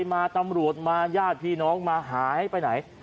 มาตำรวจมาญาติพี่น้องมาหายไปไหน